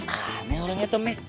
aneh orang itu nih